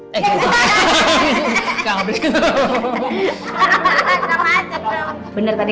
benar tadi kata oma kalau dijairin rumahnya harus tetap baik